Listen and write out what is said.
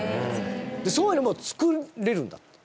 そういうのも作れるんだって。